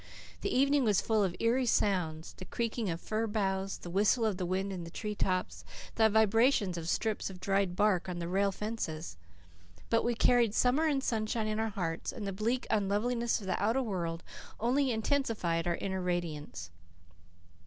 The evening was full of eerie sounds the creaking of fir boughs, the whistle of the wind in the tree tops, the vibrations of strips of dried bark on the rail fences. But we carried summer and sunshine in our hearts, and the bleak unloveliness of the outer world only intensified our inner radiance.